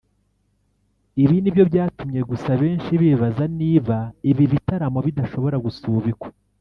ibi ni byo byatumye gusa benshi bibaza niba ibi bitaramo bidashobora gusubikwa